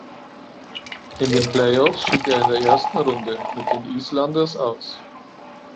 In den Playoffs schied er in der ersten Runde mit den Islanders aus.